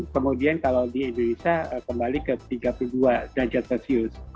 kemudian kalau di indonesia kembali ke tiga puluh dua derajat celcius atau dua puluh delapan derajat celcius